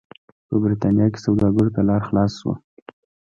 په برېټانیا کې سوداګرو ته لار خلاصه شوه.